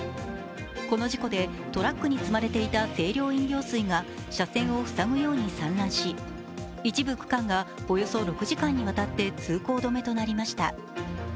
この事故でトラックに積まれていた清涼飲料水が車線を塞ぐように散乱し、一部区間がおよそ６時間にわたって通行止めとなりました。